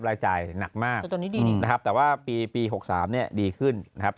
รายจ่ายหนักมากนะครับแต่ว่าปี๖๓เนี่ยดีขึ้นนะครับ